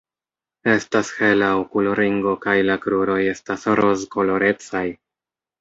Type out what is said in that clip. Estas hela okulringo kaj la kruroj estas rozkolorecaj.